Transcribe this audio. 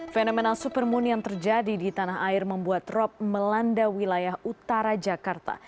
fenomena supermoon yang terjadi di tanah air membuat rop melanda wilayah utara jakarta